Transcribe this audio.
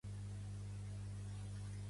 Vull canviar grec a català.